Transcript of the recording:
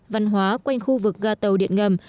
văn hóa quanh khu vực ga tàu điện ngầm